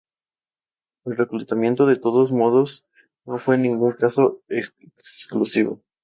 El reclutamiento, de todos modos, no fue en ningún caso exclusivo.